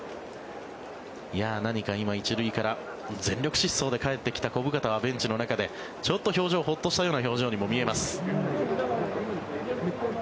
何か今、１塁から全力疾走でかえってきた小深田はベンチの中でちょっとホッとした表情にも見えます。